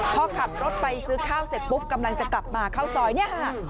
พอขับรถไปซื้อข้าวเสร็จปุ๊บกำลังจะกลับมาเข้าซอยเนี่ยค่ะ